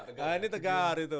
nah ini tegar itu